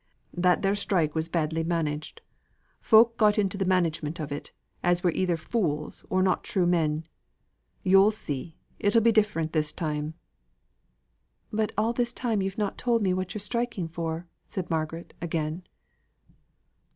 "That there strike was badly managed. Folk got into th' management of it, as were either fools or not true men. Yo'll see, it'll be different this time." "But all this time you've not told me what you're striking for," said Margaret, again.